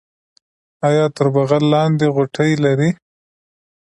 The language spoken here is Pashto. ایا تر بغل لاندې غوټې لرئ؟